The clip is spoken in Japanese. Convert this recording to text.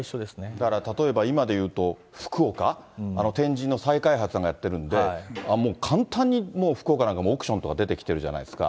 だから、例えば、今で言うと、福岡、天神の再開発とかやってるんで、もう簡単に、もう福岡なんかも、億ションとか出てきてるじゃないですか。